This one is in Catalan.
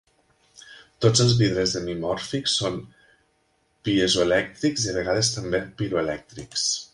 Tots els vidres hemimòrfics són piezoelèctrics i a vegades també piroelèctrics.